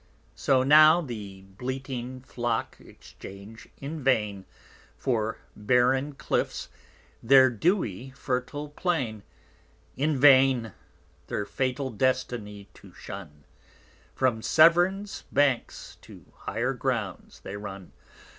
So now the bleating Flock exchange in vain, For barren Clifts, their dewy fertil Plain: In vain, their fatal Destiny to shun, From_ Severn_'s Banks to higher Grounds they run.